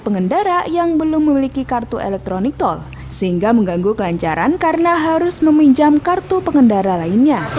pengendara yang belum memiliki kartu elektronik tol sehingga mengganggu kelancaran karena harus meminjam kartu pengendara lainnya